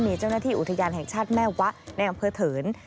มีเจ้าหน้าที่อุทยานแห่งชาติแม่วะในอำเภอเถิน